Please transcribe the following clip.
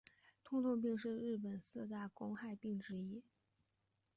痛痛病是日本四大公害病之一。